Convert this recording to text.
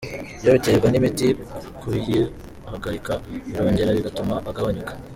Iyo biterwa n’imiti, kuyihagarika birongera bigatuma agabanyuka.